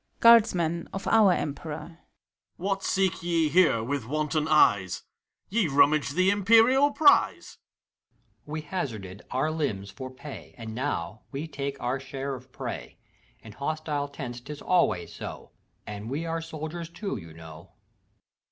GUABDSHEK (of OUr EliPEBOR). What seek ye here with wanton eyesT Ye rummage the Imperial prize! HAVEQUICK. We hazarded our limbs for pay, And now we take our share of prey. In hostile tents 't is always so, And we are soldiers too, you know.